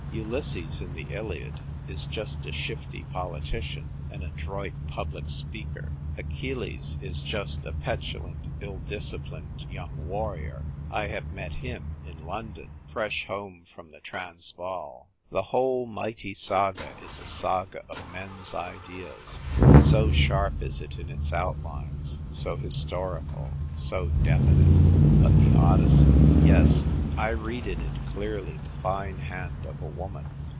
Ulysses in the Iliad is just a shifty politician, an adroit public speaker. Achilles is just a petulant, ill disciplined young warrior — I hav ^ met him B 2 12 THE TYPE WRITER GIRL. in London, fresh home from the Transvaal. The whole mighty saga is a saga of men's ideas, so sharp is it in its outlines, so his torical, so definite. But the Odyssey ! Yes, I read in it clearly the fine hand of a woman.